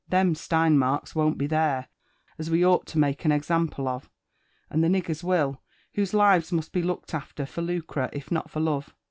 Them Steinmarks won't be there, as we ought to make an example of, — and the niggers will, whose lives must be looked after for lucre, if not for love.